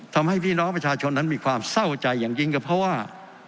ทำให้พี่น้องประชาชนนั้นมีความเศร้าใจอย่างยิ่งก็เพราะว่า